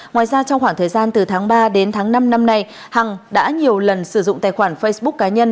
ngoài ra trong khoảng thời gian từ tháng ba đến tháng năm năm nay hằng đã nhiều lần sử dụng tài khoản facebook cá nhân